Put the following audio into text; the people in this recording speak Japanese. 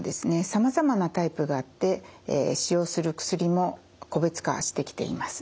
さまざまなタイプがあって使用する薬も個別化してきています。